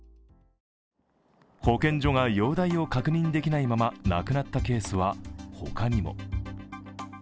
保健所が容体を確認できないまま亡くなったケースは他にも。